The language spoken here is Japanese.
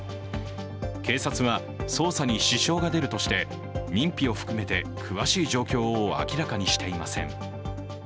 警察は捜査に支障が出るとして認否を含めて詳しい状況を明らかにしていません。